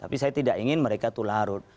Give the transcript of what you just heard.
tapi saya tidak ingin mereka tuh larut